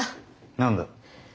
何だ？